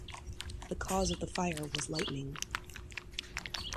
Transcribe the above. The cause of the fire was lightning.